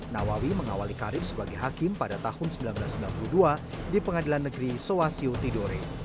nawawi mengawali karim sebagai hakim pada tahun seribu sembilan ratus sembilan puluh dua di pengadilan negeri soasio tidore